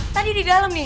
tadi di dalam nih